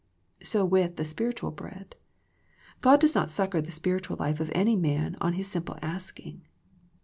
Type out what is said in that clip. So with the spiritual bread. God does ' not succour the spiritual life of any man on his simple asking.